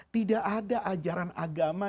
tidak ada ajaran agama